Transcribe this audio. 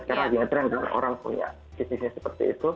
sekarang lagi ngetrend orang punya bisnisnya seperti itu